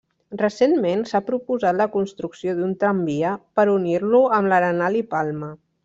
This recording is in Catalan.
Recentment, s'ha proposat la construcció d'un tramvia per unir-lo amb l'Arenal i Palma.